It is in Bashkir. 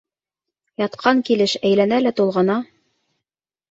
Ятҡан килеш әйләнә лә тулғана.